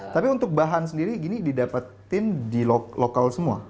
tapi untuk bahan sendiri gini didapetin di lokal semua